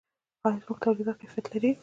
آیا زموږ تولیدات کیفیت لري؟